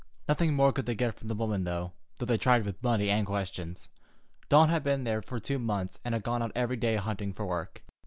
Nothing more could they get from the good woman, though they tried both with money and questions. Dawn had been there for two months, and had gone out every day hunting work.